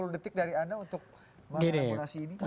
tiga puluh detik dari anda untuk melaporkan ini